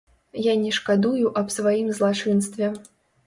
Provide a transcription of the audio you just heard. Я не шкадую аб сваім злачынстве.